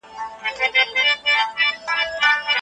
مصنوعي غاښونه اصلي نه کیږي.